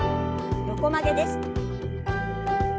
横曲げです。